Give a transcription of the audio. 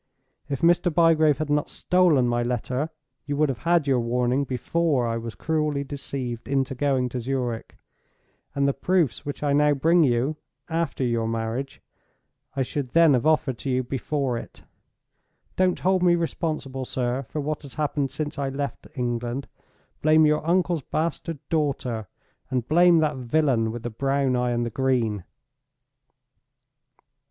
If Mr. Bygrave had not stolen my letter, you would have had your warning before I was cruelly deceived into going to Zurich; and the proofs which I now bring you, after your marriage, I should then have offered to you before it. Don't hold me responsible, sir, for what has happened since I left England. Blame your uncle's bastard daughter, and blame that villain with the brown eye and the green!"